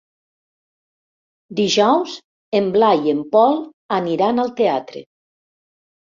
Dijous en Blai i en Pol aniran al teatre.